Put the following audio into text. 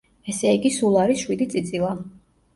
ესე იგი, სულ არის შვიდი წიწილა.